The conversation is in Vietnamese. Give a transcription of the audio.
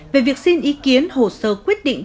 về việc xin ý kiến hồ sơ quyết định